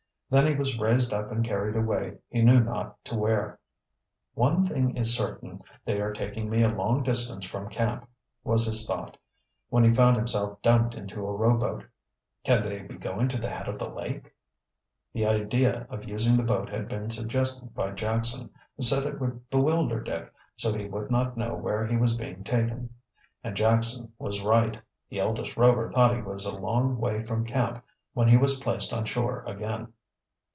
Then he was raised up and carried away he knew not to where. "One thing is certain, they are taking me a long distance from camp," was his thought, when he found himself dumped into a rowboat. "Can they be going to the head of the lake?" The idea of using the boat had been suggested by Jackson, who said it would bewilder Dick, so he would not know where he was being taken. And Jackson was right, the eldest Rover thought he was a long way from camp when he was placed on shore again.